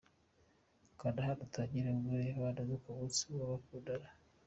Kanda hano utangire ugure impano zo ku munsi w'abakundana.